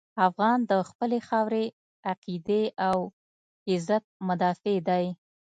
افغان د خپلې خاورې، عقیدې او عزت مدافع دی.